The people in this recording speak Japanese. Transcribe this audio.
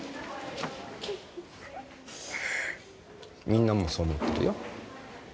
みんなもそう思ってるよ。